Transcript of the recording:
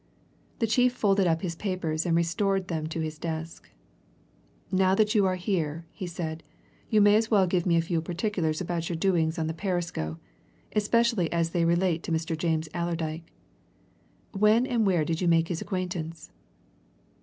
The chief folded up his papers and restored them to his desk. "Now that you are here," he said, "you may as well give me a few particulars about your doings on the Perisco, especially as they relate to Mr. James Allerdyke. When and where did you make his acquaintance?"